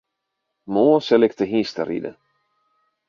Moarn sil ik te hynsteriden.